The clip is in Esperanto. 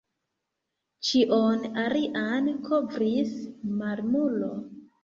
Ĉion alian kovris mallumo.